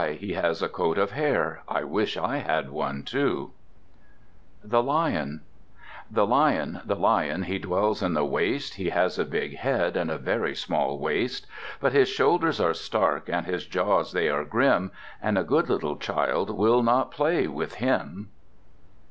He has a coat of hair. I wish I had one too! The Lion The Lion, the Lion, he dwells in the waste, He has a big head and a very small waist; But his shoulders are stark, and his jaws they are grim, And a good little child will not play with him.